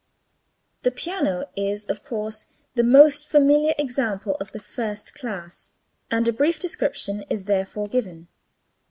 The piano is of course the most familiar example of the first class, and a brief description is therefore given.